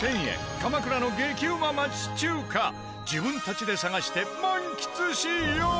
鎌倉の激うま町中華自分たちで探して満喫しよう！